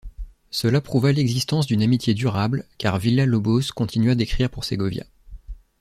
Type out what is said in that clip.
Cela prouva l'existence d'une amitié durable car Villa-Lobos continua d'écrire pour Segovia.